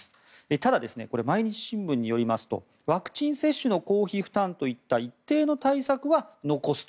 ただ、毎日新聞によりますとワクチン接種の公費負担といった一定の対策は残すと。